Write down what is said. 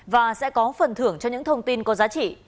và sẽ có phần thưởng cho những thông tin có giá trị